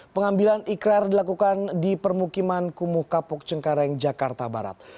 pengambilan ikrar dilakukan di permukiman kumuh kapuk cengkareng jakarta barat